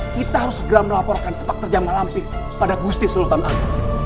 kita harus segera melaporkan sepak terjang malampik pada gusti sultan agung